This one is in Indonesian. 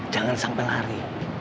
jangan sampai lari